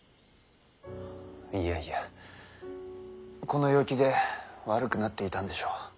いやいやこの陽気で悪くなっていたんでしょう。